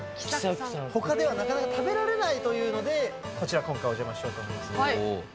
ほかではなかなか食べられないというので、こちら、今回、お邪魔しようと。